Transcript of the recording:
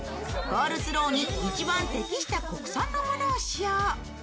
コールスローに一番適した国産のものを使用。